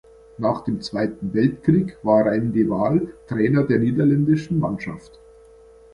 Nach dem Zweiten Weltkrieg war Rein de Waal Trainer der niederländischen Mannschaft.